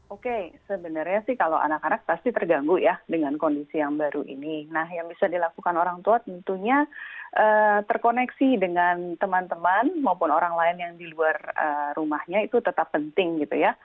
oke sebenarnya sih kalau anak anak pasti terganggu ya dengan kondisi yang baru ini nah yang bisa dilakukan orang tua tentunya terkoneksi dengan teman teman maupun orang lain yang di luar rumahnya itu tetap penting gitu ya